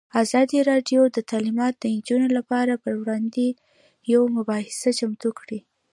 ازادي راډیو د تعلیمات د نجونو لپاره پر وړاندې یوه مباحثه چمتو کړې.